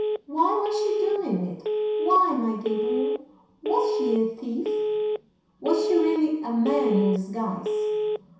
"'Why was she doing it? why, my Gabriel? Was she a thief? Was she really a man in disguise?